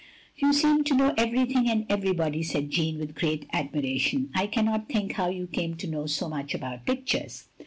" "You seem to know everything and every body," said Jeanne, with great admiration. "I cannot think how you came to know so much about pictures?"